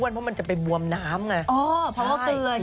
เพราะมันจะไปบวมน้ำไง